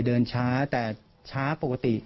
เดินช้าแต่ช้าปกติ